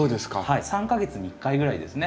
３か月に１回ぐらいですね